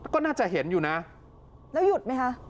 ก็น่าจะเห็นอยู่นะแล้วหยุดไหมคะ